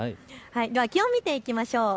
気温、見ていきましょう。